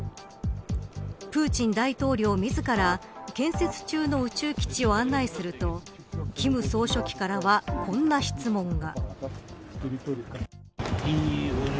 プーチン大統領自ら建設中の宇宙基地を案内すると金総書記からはこんな質問が。